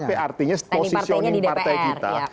tapi artinya posisioning partai kita